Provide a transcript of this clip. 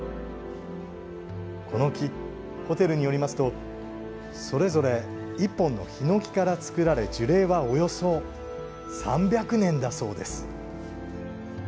この木、ホテルによりますとそれぞれ１本のひのきからつくられ樹齢はおよそ３００年だそうです。